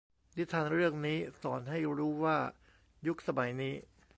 นิทานเรื่องนี้สอนให้รู้ว่ายุคสมัยนี้